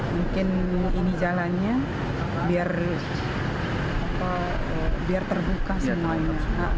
mungkin ini jalannya biar terbuka semuanya